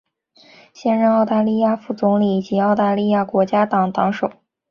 现任澳大利亚副总理及澳大利亚国家党党首。